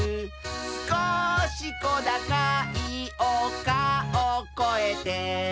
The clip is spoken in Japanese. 「すこしこだかいおかをこえて」